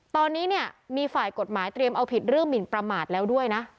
ตอนนี้เนี่ยมีฝ่ายกฎหมายเตรียมเอาผิดเรื่องหมินประมาทแล้วด้วยนะ